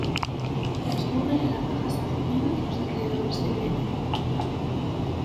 Transcurre en la Baja Sajonia, en los alrededores de Bremen.